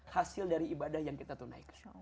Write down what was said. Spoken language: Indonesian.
hasil dari ibadah yang kita tunaikan